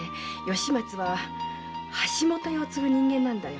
吉松は橋本屋を継ぐ人間なんだ。